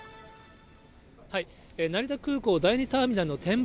成田空港第２ターミナルの展望